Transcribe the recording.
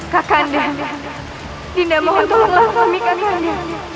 kak kanda dinda mohon tolong kami kak kanda